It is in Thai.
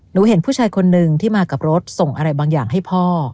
เห็นผู้ชายคนนึงที่มากับรถส่งอะไรบางอย่างให้พ่อ